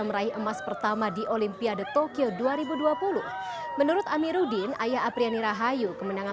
meraih emas pertama di olimpiade tokyo dua ribu dua puluh menurut amiruddin ayah apriani rahayu kemenangan